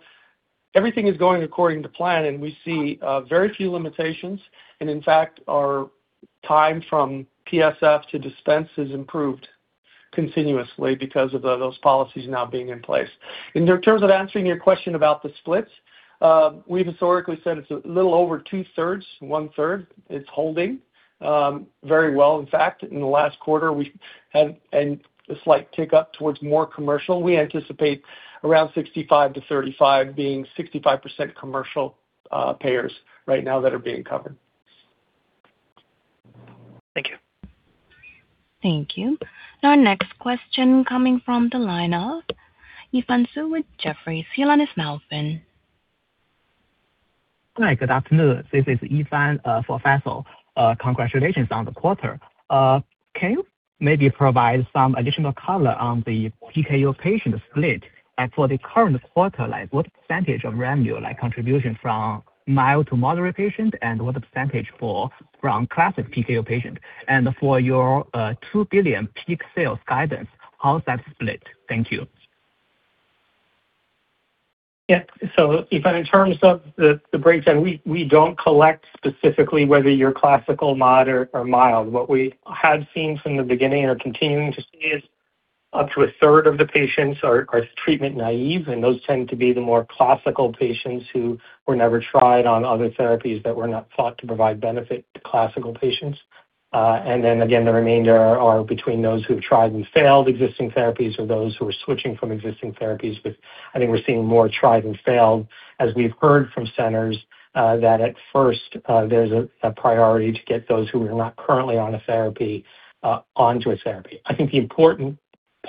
everything is going according to plan, and we see very few limitations. In fact, our time from PSF to dispense has improved continuously because of those policies now being in place. In terms of answering your question about the splits, we've historically said it's a little over two-thirds, one-third. It's holding very well. In fact, in the last quarter, we had a slight tick up towards more commercial. We anticipate around 65% to 35%, being 65% commercial payers right now that are being covered. Thank you. Thank you. Our next question is coming from the line of Yifan Su with Jefferies. Your line is now open. Hi, good afternoon. This is Yifan, for Faisal. Congratulations on the quarter. Can you maybe provide some additional color on the PKU patient split? For the current quarter, like, what percentage of revenue, like, contribution is from mild to moderate patients, and what percentage is from classical PKU patients? For your $2 billion peak sales guidance, how is that split? Thank you. Yifan, in terms of the breakdown, we don't collect specifically whether you're classical, moderate, or mild. What we have seen from the beginning or continue to see is up to a third of the patients are treatment naive, and those tend to be the more classical patients who were never tried on other therapies that were not thought to provide benefit to classical patients. Then again, the remainder are between those who've tried and failed existing therapies or those who are switching from existing therapies. I think we're seeing more tried and failed as we've heard from centers that at first, there's a priority to get those who are not currently on a therapy onto a therapy. I think the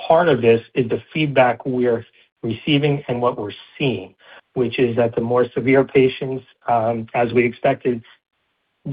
important part of this is the feedback we're receiving and what we're seeing, which is that the more severe patients, as we expected,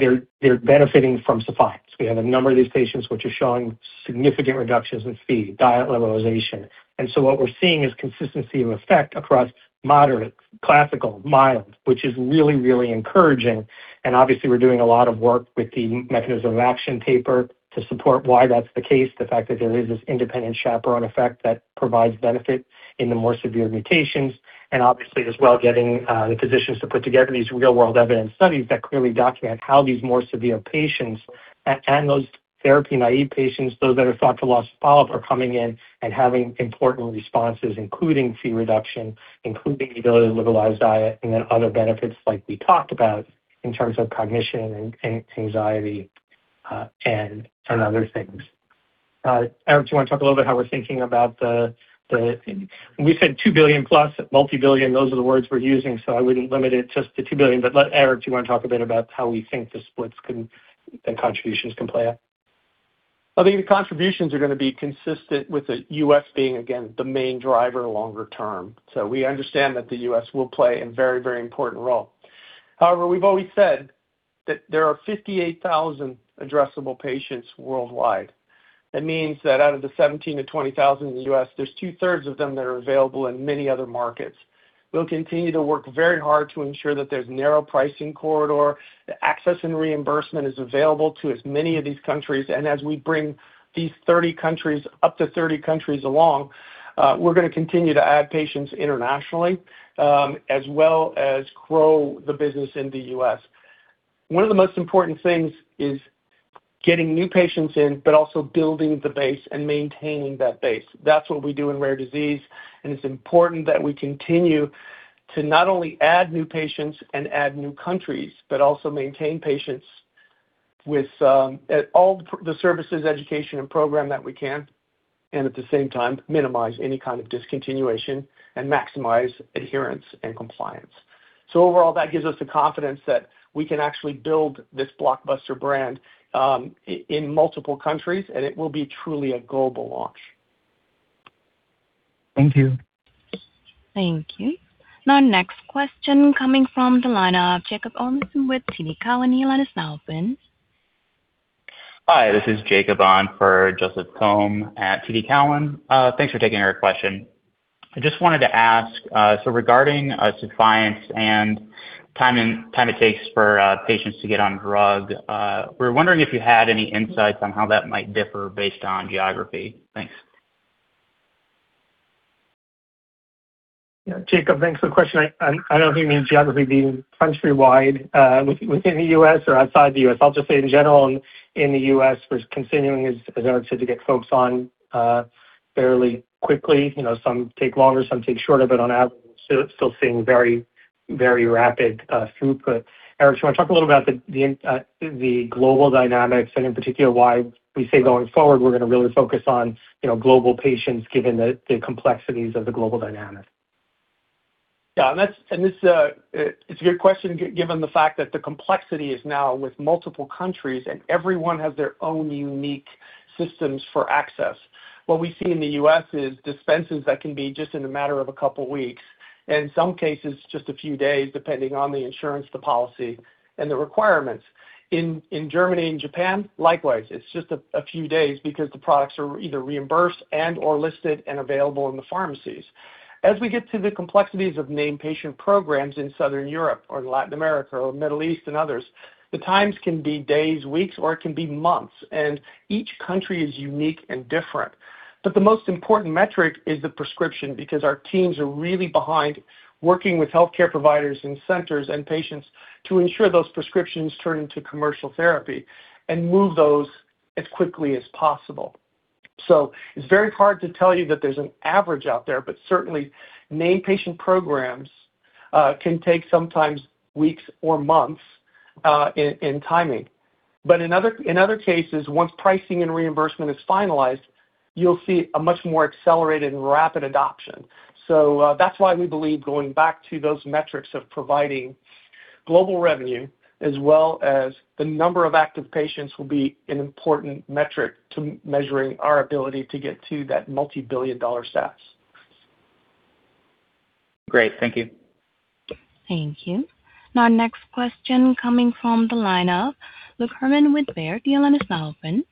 are benefiting from Sephience. We have a number of these patients, which are showing significant reductions in Phe and diet liberalization. What we're seeing is consistency of effect across moderate, classical, and mild, which is really, really encouraging. Obviously, we're doing a lot of work with the mechanism of action paper to support why that's the case, given the fact that there is this independent chaperone effect that provides benefit in the more severe mutations. Obviously as well, getting the physicians to put together these real-world evidence studies that clearly document how these more severe patients and those therapy-naive patients, those that are thought to have lost follow-up, are coming in and having important responses, including Phe reduction and the ability to liberalize diet, and then other benefits like we talked about in terms of cognition, anxiety, and other things. Eric, do you want to talk a little bit about how we're thinking about the +$2 billion, multi-billion? Those are the words we're using, so I wouldn't limit it just to $2 billion. Let Eric, do you want to talk a bit about how we think the splits and contributions can play out? I think the contributions are going to be consistent with the U.S. being, again, the main driver longer term. We understand that the U.S. will play a very, very important role. However, we've always said that there are 58,000 addressable patients worldwide. That means that out of the 17,000-20,000 in the U.S., there are two-thirds of them that are available in many other markets. We'll continue to work very hard to ensure that there's a narrow pricing corridor and access and reimbursement are available to as many of these countries. As we bring these 30 countries, up to 30 countries, along, we're going to continue to add patients internationally, as well as grow the business in the U.S. One of the most important things is getting new patients in but also building the base and maintaining that base. That's what we do in rare diseases, and it's important that we continue to not only add new patients and add new countries but also maintain patients with all the services, education, and programs that we can, and at the same time minimize any kind of discontinuation and maximize adherence and compliance. Overall, that gives us the confidence that we can actually build this blockbuster brand in multiple countries, and it will be truly a global launch. Thank you. Thank you. Our next question is coming from the line of Jacob Olson with TD Cowen. Your line is now open. Hi, this is Jacob on for Joseph Thome at TD Cowen. Thanks for taking our question. I just wanted to ask, so regarding Sephience and time it takes for patients to get on drugs, we're wondering if you had any insights on how that might differ based on geography. Thanks. Yeah, Jacob, thanks for the question. I know what you mean by geography being countrywide, within the U.S. or outside the U.S. I'll just say in general in the U.S., we're continuing, as Eric said, to get folks on fairly quickly. You know, some take longer, some take shorter, but on average, we're still seeing very, very rapid throughput. Eric, do you want to talk a little about the global dynamics and, in particular, why we say going forward, we're going to really focus on, you know, global patients given the complexities of the global dynamics? Yeah. This is a good question given the fact that the complexity is now with multiple countries, and everyone has their own unique systems for access. What we see in the US are dispensaries that can be in just a matter of 2 weeks. And in some cases, just a few days, depending on the insurance, the policy, and the requirements. In Germany and Japan, likewise, it's just a few days because the products are either reimbursed and/or listed and available in the pharmacies. As we get to the complexities of named patient programs in Southern Europe or Latin America or Middle East and others, the times can be days or weeks, or they can be months, and each country is unique and different. The most important metric is the prescription because our teams are really behind working with healthcare providers and centers and patients to ensure those prescriptions turn into commercial therapy and move those as quickly as possible. It's very hard to tell you that there's an average out there, but certainly named patient programs can take sometimes weeks or months in timing. In other cases, once pricing and reimbursement are finalized, you'll see a much more accelerated and rapid adoption. That's why we believe going back to those metrics of providing global revenue as well as the number of active patients will be an important metric for measuring our ability to get to that multi-billion dollar status. Great. Thank you. Thank you. Next question coming from the line of Luke Herrmann with Baird. Your line is now open.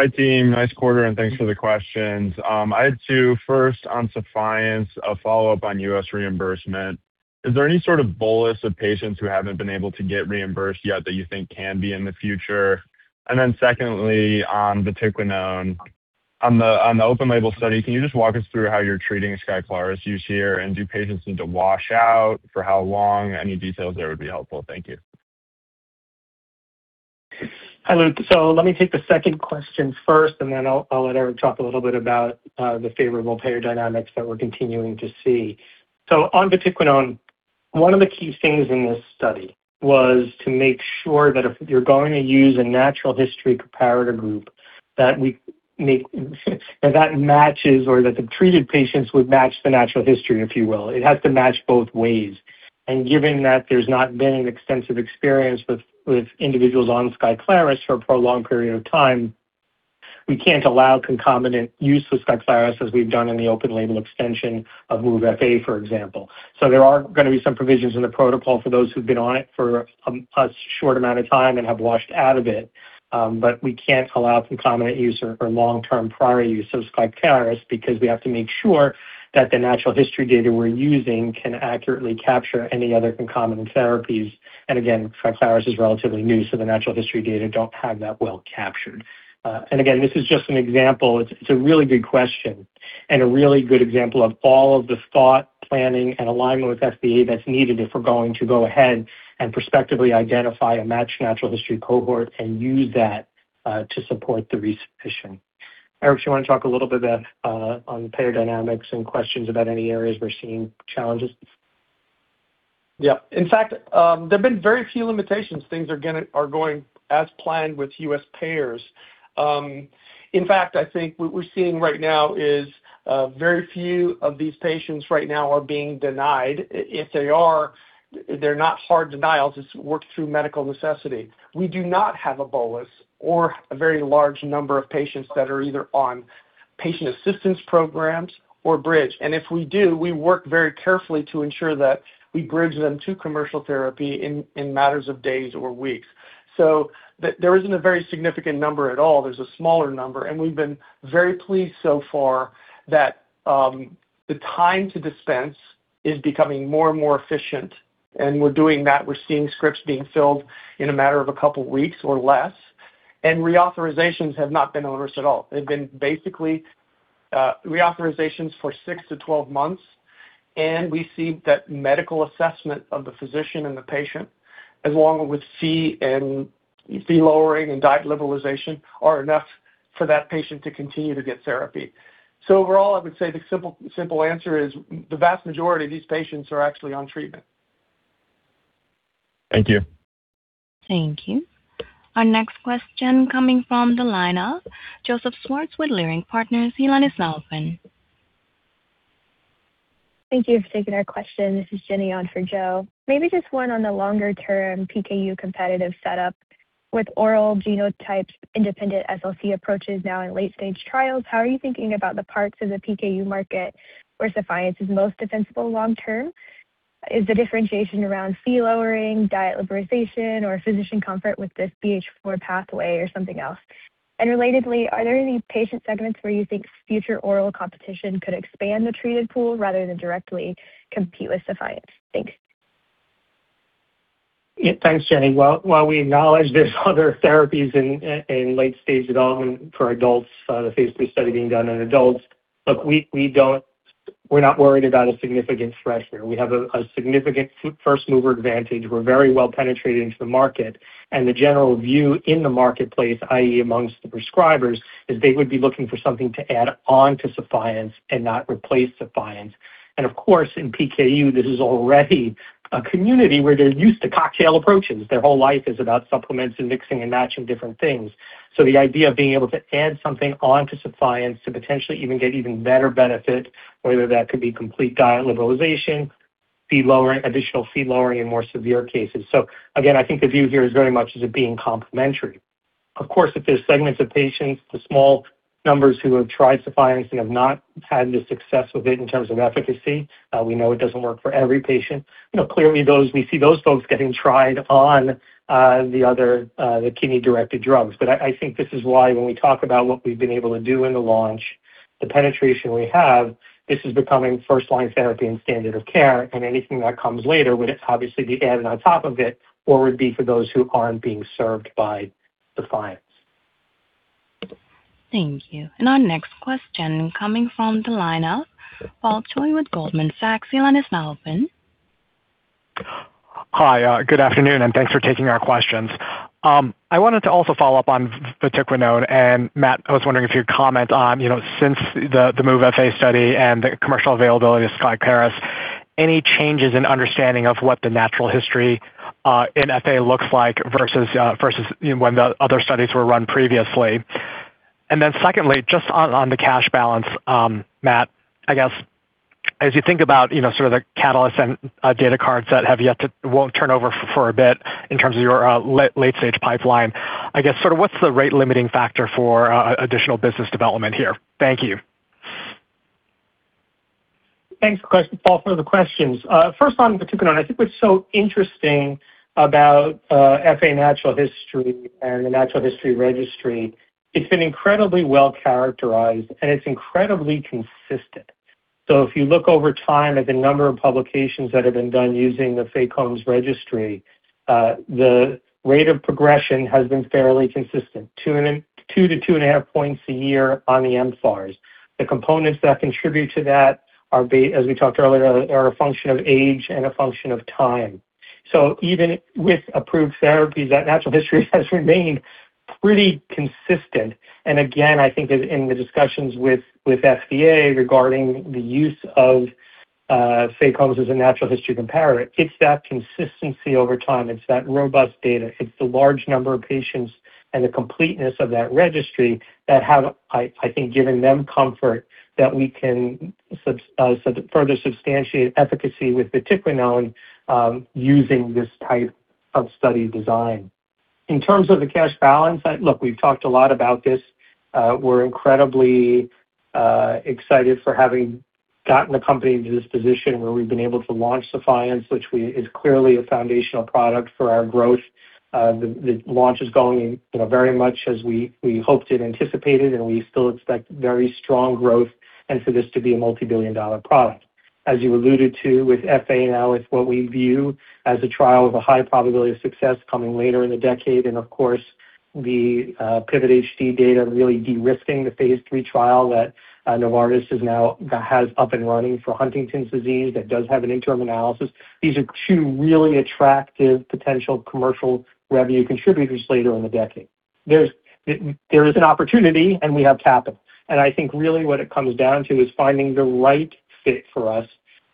Hi, team. Nice quarter, and thanks for the questions. I had two. First, on Sephience, a follow-up on U.S. reimbursement. Is there any sort of bolus of patients who haven't been able to get reimbursed yet that you think can be in the future? Secondly, on the vatiquinone, in the open-label study, can you just walk us through how you're treating SKYCLARYS use here? Do patients need to wash out? For how long? Any details there would be helpful. Thank you. Hi, Luke. Let me take the second question first, and then I'll let Eric talk a little bit about the favorable payer dynamics that we're continuing to see. On vaticquinone, one of the key things in this study was to make sure that if you're going to use a natural history comparator group, that matches or that the treated patients would match the natural history, if you will. It has to match both ways. Given that there's not been an extensive experience with individuals on SKYCLARYS for a prolonged period of time, we can't allow concomitant use with SKYCLARYS as we've done in the open-label extension of MOVE-FA, for example. There are going to be some provisions in the protocol for those who've been on it for a short amount of time and have washed out of it. But we can't allow concomitant use or long-term prior use of SKYCLARYS because we have to make sure that the natural history data we're using can accurately capture any other concomitant therapies. Again, SKYCLARYS is relatively new, so the natural history data aren't that well captured. Again, this is just an example. It's a really good question and a really good example of all of the thought, planning, and alignment with FDA that's needed if we're going to go ahead and prospectively identify a matched natural history cohort and use that to support the [re-sufficiency] Eric, do you want to talk a little bit about the payer dynamics and questions about any areas we're seeing challenges? Yeah. In fact, there've been very few limitations. Things are going as planned with U.S. payers. In fact, I think what we're seeing right now is very few of these patients right now are being denied. If they are, they're not hard denials. It's worked through medical necessity. We do not have a bolus or a very large number of patients that are either on patient assistance programs or bridge. If we do, we work very carefully to ensure that we bridge them to commercial therapy in matters of days or weeks. There isn't a very significant number at all. There's a smaller number. We've been very pleased so far that the time to dispense is becoming more and more efficient, and we're doing that. We're seeing scripts being filled in a matter of a couple weeks or less. Reauthorizations have not been an issue at all. They've been basically reauthorizations for six to 12 months. We see that medical assessment of the physician and the patient, along with Phe and Phe lowering and diet liberalization, are enough for that patient to continue to get therapy. Overall, I would say the simple answer is the vast majority of these patients are actually on treatment. Thank you. Thank you. Our next question is coming from the line of Joseph Schwartz with Leerink Partners. Your line is now open. Thank you for taking our question. This is Jenny on for Joe. Maybe just one on the longer-term PKU competitive setup. With oral genotype-independent SLC approaches now in late-stage trials, how are you thinking about the parts of the PKU market where Sephience is most defensible long-term? Is the differentiation around Phe lowering, diet liberalization, physician comfort with this BH4 pathway, or something else? Relatedly, are there any patient segments where you think future oral competition could expand the treated pool rather than directly compete with Sephience? Thanks. Yeah. Thanks, Jenny. While we acknowledge there are other therapies in late-stage development for adults, the phase III study being done on adults, look, we're not worried about a significant threat here. We have a significant first-mover advantage. We're very well penetrated into the market, and the general view in the marketplace, i.e., amongst the prescribers, is they would be looking for something to add on to Sephience and not replace Sephience. Of course, in PKU, this is already a community where they're used to cocktail approaches. Their whole life is about supplements and mixing and matching different things. The idea of being able to add something onto Sephience to potentially even get even better benefit, whether that could be complete diet liberalization, Phe lowering, or additional Phe lowering in more severe cases. Again, I think the view here is very much as it being complementary. Of course, if there's segments of patients, the small numbers who have tried Sephience and have not had the success with it in terms of efficacy, we know it doesn't work for every patient. You know, clearly we see those folks getting tried on the other, the kidney-directed drugs. I think this is why when we talk about what we've been able to do in the launch, the penetration we have, this is becoming first-line therapy and standard of care. Anything that comes later would obviously be added on top of it or would be for those who aren't being served by Sephience. Thank you. Our next question is coming from the line of Paul Choi with Goldman Sachs. Your line is now open. Hi, good afternoon. Thanks for taking our questions. I wanted to also follow up on vatiquinone. Matt, I was wondering if you'd comment on, you know, since the MOVE-FA and the commercial availability of SKYCLARYS, any changes in understanding of what the natural history of FA looks like versus when the other studies were run previously. Secondly, just on the cash balance, Matt, I guess as you think about, you know, sort of the catalysts and data cards that won't turn over for a bit in terms of your late-stage pipeline, I guess sort of what's the rate-limiting factor for additional business development here? Thank you. Thanks, Paul, for the questions. First on votoplam. I think what's so interesting about FA natural history and the Natural History Registry is that it's been incredibly well-characterized and it's incredibly consistent. If you look over time at the number of publications that have been done using the FA-COMS registry, the rate of progression has been fairly consistent, 2 to 2.5 points a year on the mFARS. The components that contribute to that, as we talked about earlier, are a function of age and a function of time. Even with approved therapies, that natural history has remained pretty consistent. Again, I think in the discussions with FDA regarding the use of FA-COMS as a natural history comparator, it's that consistency over time. It's that robust data. It's the large number of patients and the completeness of that registry that have, I think, given them comfort that we can further substantiate efficacy with Trifenon using this type of study design. In terms of the cash balance, look, we've talked a lot about this. We're incredibly excited for having gotten the company into this position where we've been able to launch Sephience, which is clearly a foundational product for our growth. The launch is going, you know, very much as we hoped and anticipated, and we still expect very strong growth and this to be a multi-billion dollar product. As you alluded to with FA now, it's what we view as a trial of a high probability of success coming later in the decade. Of course, the PIVOT-HD data is really de-risking the phase III trial that Novartis has up and running for Huntington's disease that does have an interim analysis. These are two really attractive potential commercial revenue contributors later in the decade. There is an opportunity, we have capital. I think really what it comes down to is finding the right fit for us,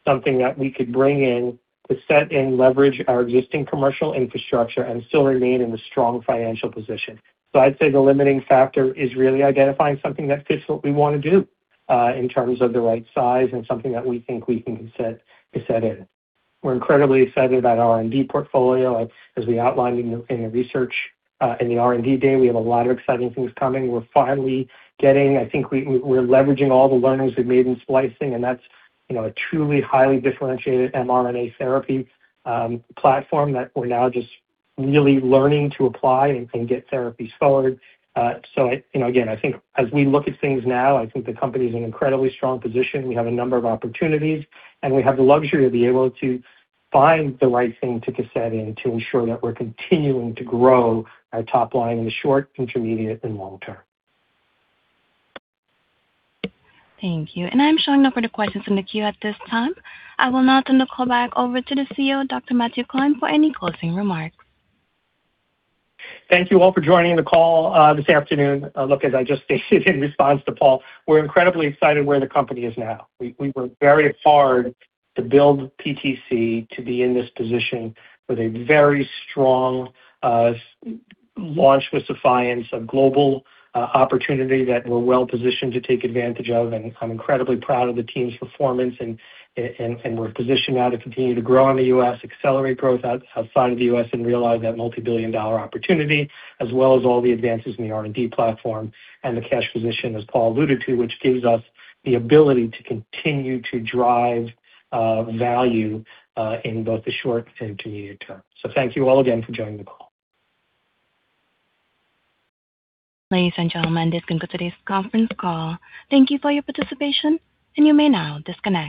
something that we could bring in to set and leverage our existing commercial infrastructure and still remain in a strong financial position. I'd say the limiting factor is really identifying something that fits what we want to do in terms of the right size and something that we think we can set in. We're incredibly excited about R&D portfolio. As we outlined in the R&D Day, we have a lot of exciting things coming. We're finally getting there. I think we're leveraging all the learnings we've made in splicing, and that's, you know, a truly highly differentiated mRNA therapy platform that we're now just really learning to apply and can get therapies forward. You know, again, I think as we look at things now, I think the company is in an incredibly strong position. We have a number of opportunities, and we have the luxury to be able to find the right thing to cassette in to ensure that we're continuing to grow our top line in the short, intermediate, and long term. Thank you. I'm showing no further questions in the queue at this time. I will now turn the call back over to the CEO, Dr. Matthew Klein, for any closing remarks. Thank you all for joining the call this afternoon. As I just stated in response to Paul Choi, we're incredibly excited where the company is now. We worked very hard to build PTC to be in this position with a very strong launch with Sephience, a global opportunity that we're well-positioned to take advantage of. I'm incredibly proud of the team's performance, and we're positioned now to continue to grow in the U.S., accelerate growth outside of the U.S., and realize that multi-billion dollar opportunity, as well as all the advances in the R&D platform and the cash position, as Paul Choi alluded to, which gives us the ability to continue to drive value in both the short and intermediate term. Thank you all again for joining the call. Ladies and gentlemen, this concludes today's conference call. Thank you for your participation, you may now disconnect.